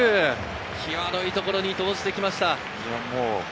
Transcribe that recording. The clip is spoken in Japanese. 際どい所に投じてきました。